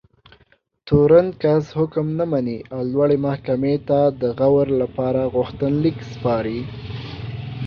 تورن کس حکم نه مني او لوړې محکمې ته د غور لپاره غوښتنلیک سپاري.